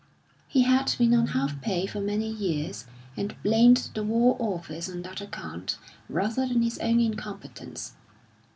He had been on half pay for many years, and blamed the War Office on that account rather than his own incompetence.